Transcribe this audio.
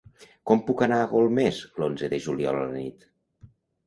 Com puc anar a Golmés l'onze de juliol a la nit?